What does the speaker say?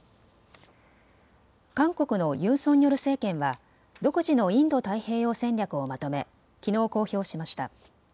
韓国のユン・ソンニョル政権は独自のインド太平洋戦略をまとめきのう公表しました。